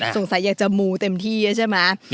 สงสัยอยากจะมูเต็มที่นะใช่มั๊ะ